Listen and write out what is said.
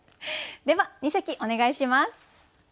では二席お願いします。